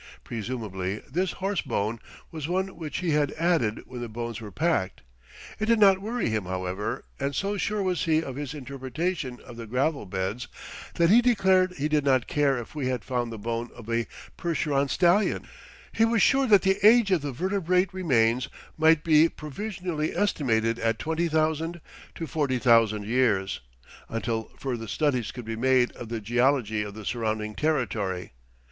Presumably this horse bone was one which he had added when the bones were packed. It did not worry him, however, and so sure was he of his interpretation of the gravel beds that he declared he did not care if we had found the bone of a Percheron stallion, he was sure that the age of the vertebrate remains might be "provisionally estimated at 20,000 to 40,000 years," until further studies could be made of the geology of the surrounding territory.